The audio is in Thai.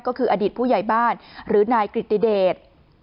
ก็คืออดีตผู้ใหญ่บ้านหรือนายกริติเดช